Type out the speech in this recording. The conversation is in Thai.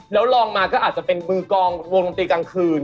แล้วลองมาก็อาจจะเป็นมือกองวงดนตรีกลางคืน